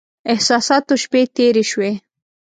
احساساتو شپې تېرې شوې.